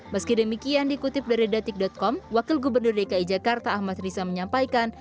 meski demikian dikutip dari detik com wakil gubernur dki jakarta ahmad riza menyampaikan